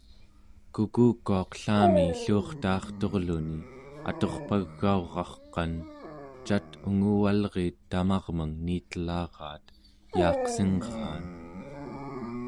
kukukuaq ellami ellu'urtaarturluni aturpagaura'rqan cat unguvalriit tamarmeng niitelaraat yaaqsingraan